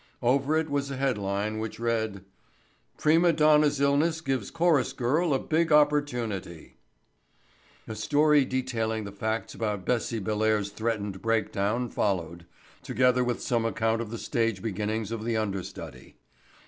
Over it was a headline which read: PRIMA DONNA'S ILLNESS GIVES CHORUS GIRL A BIG OPPORTUNITY –––– A story detailing the facts about Bessie Bellairs' threatened breakdown followed, together with some account of the stage beginnings of the understudy.